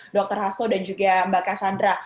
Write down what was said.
dr hasto dan juga mbak cassandra